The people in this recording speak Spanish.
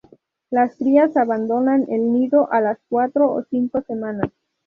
Las crías abandonan el nido a las cuatro o cinco semanas.